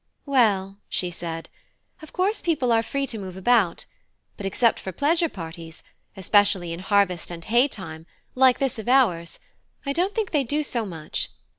"Well," she said, "of course people are free to move about; but except for pleasure parties, especially in harvest and hay time, like this of ours, I don't think they do so much.